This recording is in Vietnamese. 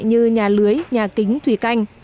như nhà lưới nhà kính thủy canh